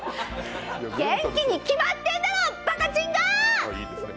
元気に決まってんだろばかちんがー！